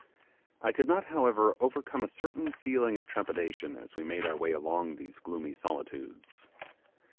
I could not, however, overcome a certain feeling of trepidation as we made our way along these gloomy solitudes.